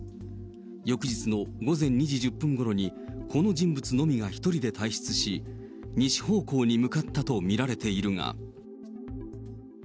翌日の午前２時１０分ごろに、この人物のみが１人で退室し、西方向に向かったと見られているが。